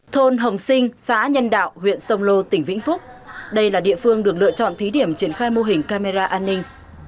thôn hồng sinh xã nhân đạo huyện sông lô tỉnh vĩnh phúc đây là địa phương được lựa chọn thí điểm triển khai mô hình camera an ninh